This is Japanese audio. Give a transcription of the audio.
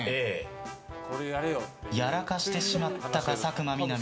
やらかしてしまったか佐久間みなみ。